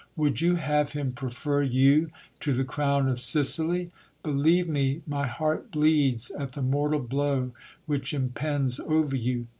Would you have him prefer you to the crown of Sicily ? Believe me, my heart bleeds at the mortal blow which impends over you.